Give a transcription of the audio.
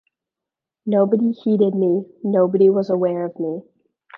Nobody heeded me, nobody was aware of me.